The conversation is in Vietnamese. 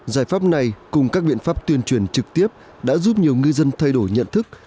giải pháp này cùng các biện pháp tuyên truyền trực tiếp đã giúp nhiều ngư dân thay đổi nhận thức